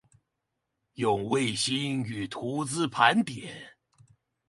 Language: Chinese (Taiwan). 用衛星與圖資盤點